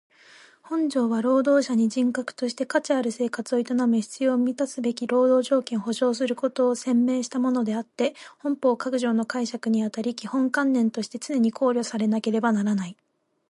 本条は労働者に人格として価値ある生活を営む必要を充すべき労働条件を保障することを宣明したものであつて本法各条の解釈にあたり基本観念として常に考慮されなければならない。